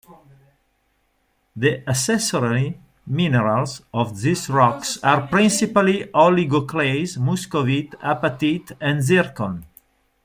The accessory minerals of these rocks are principally oligoclase, muscovite, apatite and zircon.